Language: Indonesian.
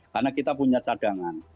karena kita punya cadangan